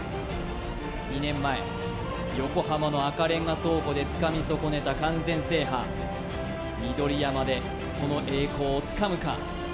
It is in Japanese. ２年前横浜の赤レンガ倉庫でつかみそこねた完全制覇緑山でその栄光をつかむか？